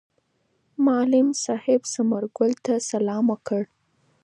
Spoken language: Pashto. معلم صاحب ثمر ګل ته سلام وکړ.